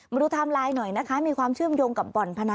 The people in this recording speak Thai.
ไทม์ไลน์หน่อยนะคะมีความเชื่อมโยงกับบ่อนพนัน